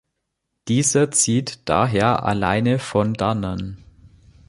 Dieser zieht daher alleine von dannen.